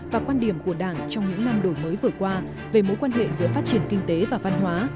và quan điểm của đảng trong những năm đổi mới vừa qua về mối quan hệ giữa phát triển kinh tế và văn hóa